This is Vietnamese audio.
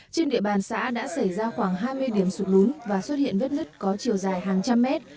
trên địa bàn xã đã xảy ra khoảng hai mươi điểm sụt lún và xuất hiện vết nứt có chiều dài hàng trăm mét